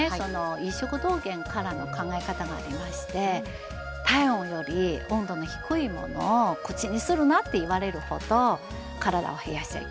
医食同源からの考え方がありまして体温より温度の低いものを口にするなって言われるほど体は冷やしちゃいけない。